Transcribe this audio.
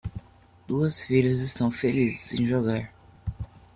Duas filhas estão felizes em jogar